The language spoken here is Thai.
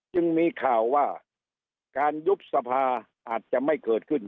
จึงมีข่าวว่าการยุบสภาอาจจะไม่เกิดขึ้น